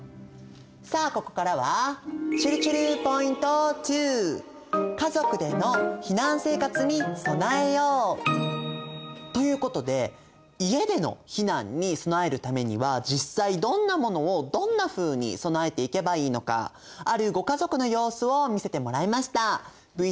さあここからはちぇるちぇるポイント２。ということで家での避難に備えるためには実際どんなものをどんなふうに備えていけばいいのかあるご家族の様子を見せてもらいました。